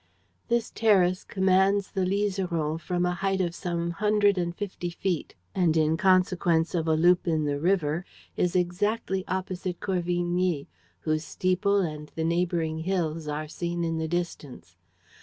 This terrace commands the Liseron from a height of some hundred and fifty feet and, in consequence of a loop in the river, is exactly opposite Corvigny, whose steeple and the neighboring hills are seen in the distance.